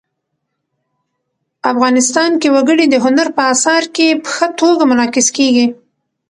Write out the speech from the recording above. افغانستان کې وګړي د هنر په اثار کې په ښه توګه منعکس کېږي.